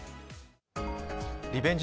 リベンジ